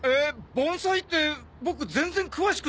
盆栽ってボク全然詳しくないっすよ？